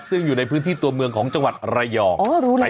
ซึ่งอยู่ในพื้นที่ตัวเมืองของจังหวัดระยอง